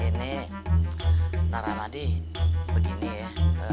ini naramadi begini ya